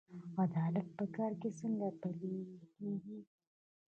عدالت په کار کې څنګه پلی کیږي؟